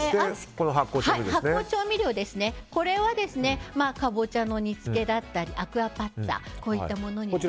発酵調味料はカボチャの煮つけだったりアクアパッツァこういったものに。